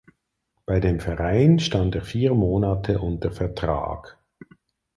Bei dem Verein stand er vier Monate unter Vertrag.